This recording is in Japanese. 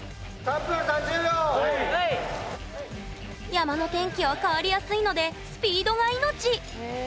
山の天気は変わりやすいのでスピードが命へえ。